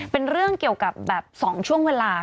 เป็นเรื่องเกี่ยวกับแบบ๒ช่วงเวลา